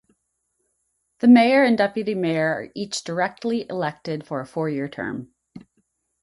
The Mayor and Deputy Mayor are each directly elected for a four-year term.